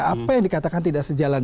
apa yang dikatakan tidak sejalan